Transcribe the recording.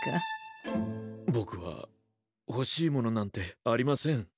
僕は欲しいものなんてありません。